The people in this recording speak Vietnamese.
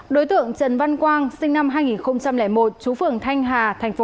đối tượng trần văn quang sinh năm hai nghìn một chú phường thanh hà tp hcm